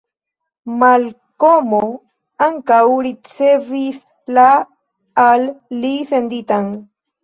Malkomo ankaŭ ricevis la al li senditan.